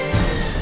saya sudah menang